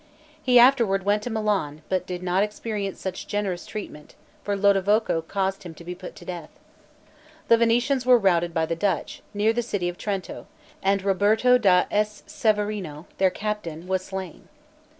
He afterward went to Milan, but did not experience such generous treatment; for Lodovico caused him to be put to death. The Venetians were routed by the Dutch, near the city of Trento, and Roberto da S. Severino, their captain, was slain.